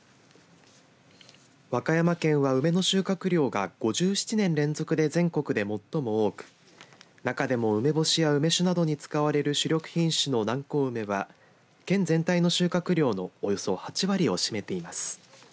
和歌山県は梅の収穫量が５７年連続で全国で最も多く中でも梅干しや梅酒などに使われる主力品種の南高梅は、県全体の収穫量のおよそ８割を占めています。